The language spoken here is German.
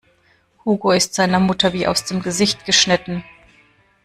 Hugo ist seiner Mutter wie aus dem Gesicht geschnitten.